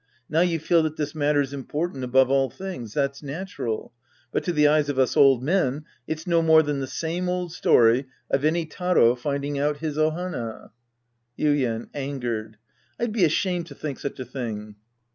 Now you feel that this matter's important above all things. That's natural. But to the eyes of us old men, it's no more than the same old story of any Taro finding out his Ohana. Ytden {angered). I'd be ashamed to think such a thing.